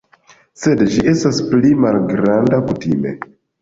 Sed ĝi estas pli malgranda, kutime.